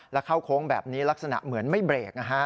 แล้วเข้าโค้งแบบนี้ลักษณะเหมือนไม่เบรกนะฮะ